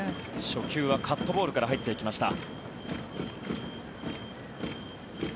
初球はカットボールから入っていきました。